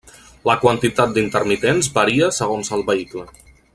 La quantitat d'intermitents varia segons el vehicle.